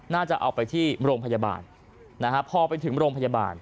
น่าจะเอาไปที่โรงพยาบาลนะฮะพอไปถึงโรงพยาบาล